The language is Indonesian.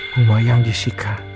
rumah yang disika